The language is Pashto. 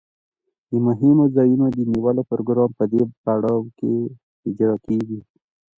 د مهمو ځایونو د نیولو پروګرامونه په دې پړاو کې اجرا کیږي.